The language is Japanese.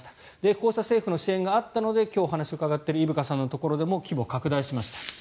こうした政府の支援があったので今日、お話を伺っている伊深さんのところでも規模を拡大しました。